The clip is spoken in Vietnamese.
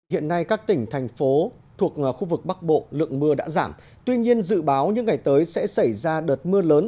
hiện nay các tỉnh thành phố thuộc khu vực bắc bộ lượng mưa đã giảm tuy nhiên dự báo những ngày tới sẽ xảy ra đợt mưa lớn